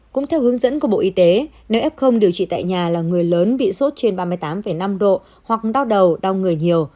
cũng theo hướng dẫn của bộ y tế nếu f điều trị tại nhà là người lớn bị sốt trên ba mươi tám năm độ hoặc đau đầu đau người nhiều